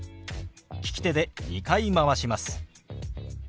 利き手で２回回します。